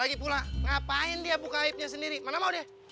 lagi pula ngapain dia buka aibnya sendiri mana mau dia